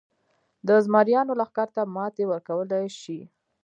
د زمریانو لښکر ته ماتې ورکولای شي.